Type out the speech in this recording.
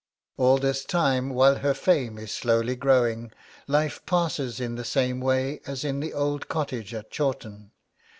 All this time, while her fame is slowly growing, life passes in the same way as in the old cottage at Chawton.